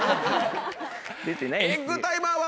エッグタイマーは。